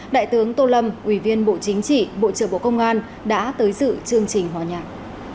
đại tướng tô lâm ủy viên bộ chính trị bộ trưởng bộ công an đã tới dự chương trình hòa nhạc